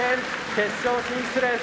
決勝進出です。